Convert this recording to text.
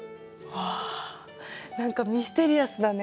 わ何かミステリアスだね。